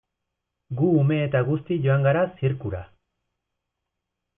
Gu ume eta guzti joan gara zirkura.